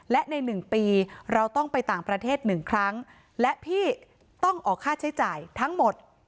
และใน๑ปีเราต้องไปต่างประเทศหนึ่งครั้งและพี่ต้องออกค่าใช้จ่ายทั้งหมด